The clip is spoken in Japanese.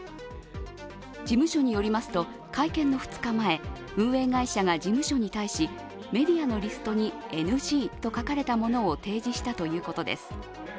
事務所によりますと会見の２日前、運営会社が事務所に対し、メディアのリストにＮＧと書かれたものを提示したということです。